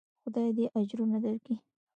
خداى دې اجرونه دركي.